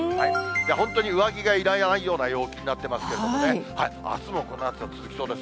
本当に上着がいらないような陽気していますけれどもけどもね、あすもこの暑さ続きます。